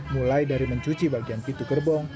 mulai dari mencuci bagian pintu gerbong